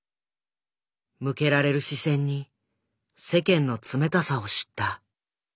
向けられる視線に世間の冷たさを知った。